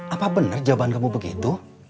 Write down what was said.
apa benar jawaban kamu begitu